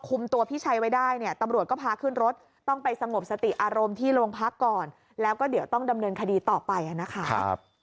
ตัวพี่ชัยไว้ได้เนี่ยตำรวจก็พาขึ้นรถต้องไปสงบสติอารมณ์ที่โรงพักก่อนแล้วก็เดี๋ยวต้องดำเนินคดีต่อไปนะคะ